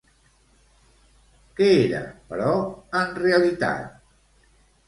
Què era, però, en realitat?